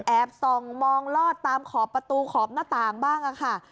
แอบส่องมองลอดตามขอบประตูขอบหน้าต่างบ้างค่ะ